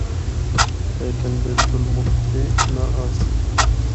لیکن بالکل مُکدی نہ آسی۔